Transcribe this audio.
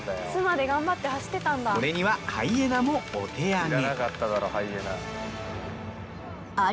これにはハイエナもお手上げ。